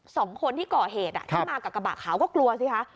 สองคนที่ก่อเหตุที่มากับกระบะขาวก็กลัวสิคะ